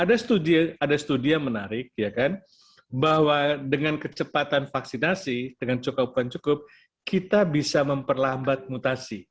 ada studi yang menarik ya kan bahwa dengan kecepatan vaksinasi dengan cukup bukan cukup kita bisa memperlambat mutasi